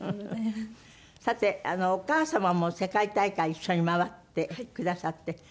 さてお母様も世界大会一緒に回ってくださって。